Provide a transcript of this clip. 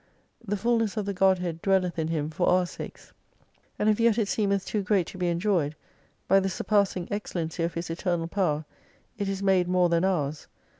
The fulness of the Godhead dwelleth in Him for our sakes. And if yet it seemeth too great to be enjoyed : by the surpassing excellency of His Eternal Power, it is made more than ours.